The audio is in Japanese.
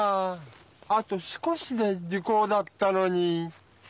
あと少しで時効だったのに。